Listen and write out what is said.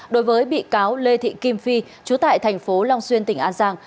đối với bị cáo lê thị kim phi chú tại thành phố long xuyên tỉnh an giang